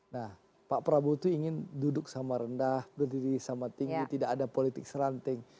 nah pak prabowo itu ingin duduk sama rendah berdiri sama tinggi tidak ada politik seranting